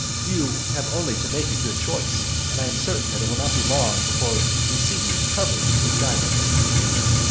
You have only to make a good choice, and I am certain that it will not be long before we see you covered with diamonds."